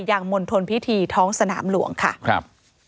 อย่างมณฑลพิธีท้องสนามหลวงค่ะ